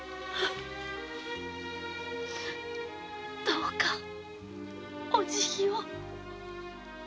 どうかお慈悲を。